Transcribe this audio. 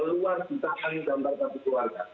keluar citaan gambar kartu keluarga